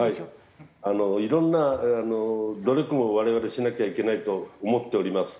いろんな努力も我々しなきゃいけないと思っております。